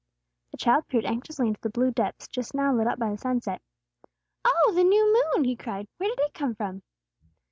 The child peered anxiously into the blue depths just now lit up by the sunset. "Oh, the new moon!" he cried. "Where did it come from?"